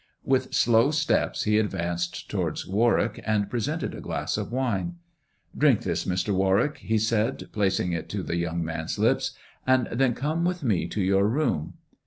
With slow steps he advanced towards Warwick, and presented a glass of wine. "Drink this, Mr. Warwick," he said, placing it to the young man's lips, "and then come with me to your room."